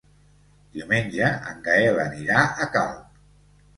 Diumenge en Gaël anirà a Calp.